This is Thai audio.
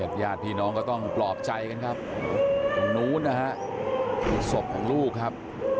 เดี๋ยวพี่น้องก็ต้องปลอบใจกันครับข้างนู้นฮะศพของลูกครับ